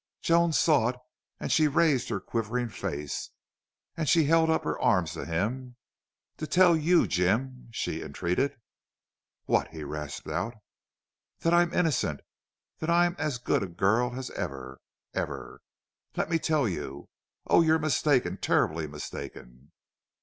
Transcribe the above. Joan saw it, and she raised her quivering face, and she held up her arms to him. "To tell you Jim!" she entreated. "What?" he rasped out. "That I'm innocent that I'm as good a girl as ever.. ever.... Let me tell you.... Oh, you're mistaken terribly mistaken."